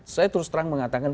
saya terus terang mengatakan